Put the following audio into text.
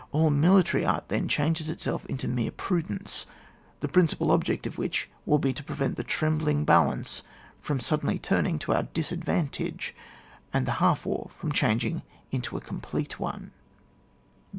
All military art then changes itself into mere prudence, the principal object of which will be to pre vent the trembling balance from suddenly turning to our disadvantage, and the half war from changing into a complete one.